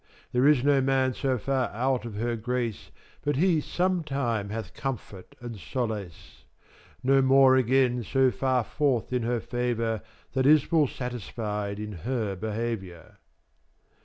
There is no man so far out of her grace But he sometime hath comfort and solace; Nor none again so farforth in her favour That is full satisfied with her behaviour.